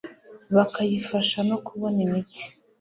bakayifasha no kubona imiti